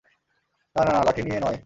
না, না, না, লাঠিটা নিয়ে নয়!